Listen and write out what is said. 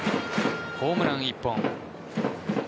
ホームラン１本。